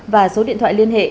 và số điện thoại liên hệ